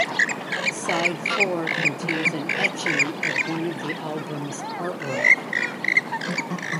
Side four contains an etching of one of the album's artwork.